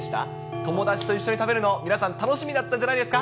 友達と一緒に食べるの、皆さん、楽しみだったんじゃないんですか？